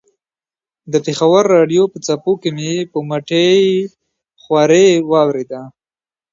د پېښور راډیو په څپو کې مې په مټې خوارۍ واورېده.